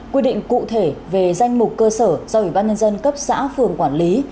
quy định cụ thể về danh mục cơ sở do ủy ban nhân dân cấp xã phường quản lý